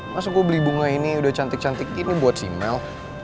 masuk gue beli bunga ini udah cantik cantik ini buat si mel